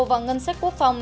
vào ngân sách quốc phòng